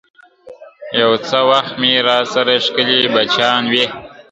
یو څه وخت مي راسره ښکلي بچیان وي !.